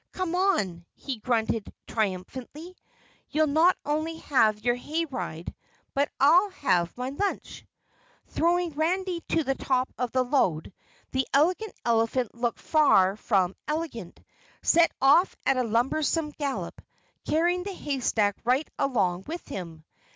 "Come ON!" he grunted triumphantly. "You'll not only have your hay ride, but I'll have my lunch!" Throwing Randy to the top of the load, the Elegant Elephant, looking far from elegant, set off at a lumbersome gallop, carrying the haystack right along with him.